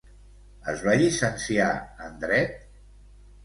Es va llicenciar en Dret?